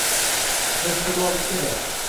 Dasturlovchi kerak